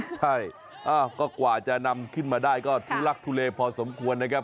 ใช่ก็กว่าจะนำขึ้นมาได้ก็ทุลักทุเลพอสมควรนะครับ